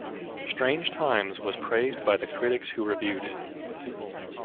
"Strange Times" was praised by the critics who reviewed it.